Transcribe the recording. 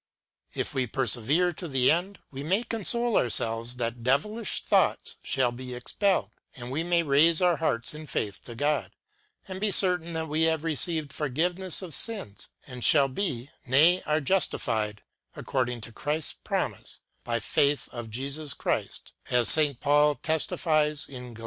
If we persevere to the end we may console ourselves that devilish thoughts shall be expelled, and we may raise our hearts in faith to God, and be certain that we have received forgiveness of sins, and shall be, nay, are justified, according to Christ's promise, by faith of Jesus Christ, as St. Paul testifies in Gal.